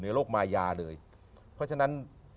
โรคมายาเลยเพราะฉะนั้น